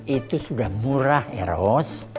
itu sudah murah ya ros